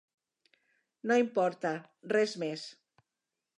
No importa, res més.